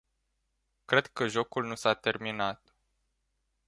Cred că jocul nu s-a terminat.